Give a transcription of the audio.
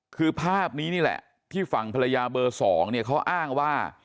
คือภาพนี้นี่แหละที่ฝั่งภรรยาเบอร์๒เนี่ยเขาอ้างว่า